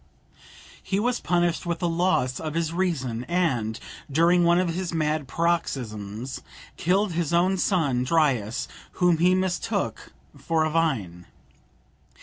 He was punished with the loss of his reason, and, during one of his mad paroxysms, killed his own son Dryas, whom he mistook for a vine.